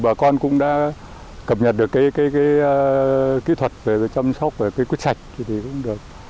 bà con cũng đã cập nhật được cái kỹ thuật về chăm sóc về cây quýt sạch thì cũng được